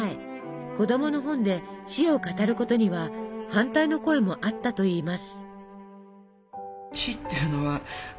子供の本で死を語ることには反対の声もあったといいます。